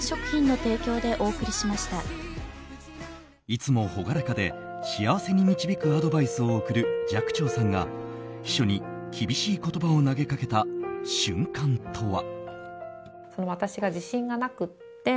いつも朗らかで幸せに導くアドバイスを送る寂聴さんが秘書に厳しい言葉を投げかけた瞬間とは。